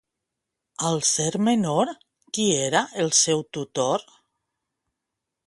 Al ser menor, qui era el seu tutor?